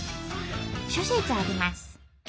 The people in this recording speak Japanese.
諸説あります。